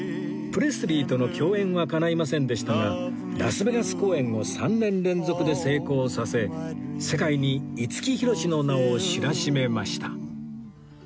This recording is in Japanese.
プレスリーとの共演は叶いませんでしたがラスベガス公演を３年連続で成功させ世界に五木ひろしの名を知らしめました